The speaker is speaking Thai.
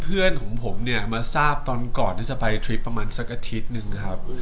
เพื่อนของผมเนี่ยมาทราบตอนก่อนที่จะไปทริปประมาณสักอาทิตย์หนึ่งครับ